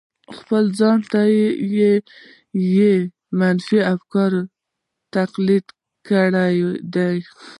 خپلو ځانونو ته يې منفي افکار تلقين کړي دي.